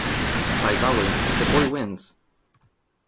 By golly, the boy wins.